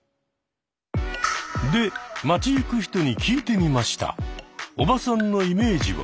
で街行く人に聞いてみました。